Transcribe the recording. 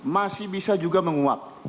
masih bisa juga menguap